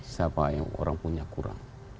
siapa yang orang punya kurang